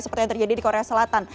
seperti yang terjadi di korea selatan